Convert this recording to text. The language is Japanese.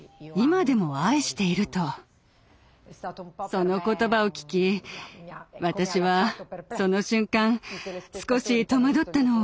その言葉を聞き私はその瞬間少し戸惑ったのを覚えています。